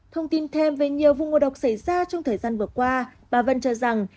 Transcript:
thông tin thêm về nhiều vụ ngộ độc xảy ra trong thời gian vừa qua bà vân cho rằng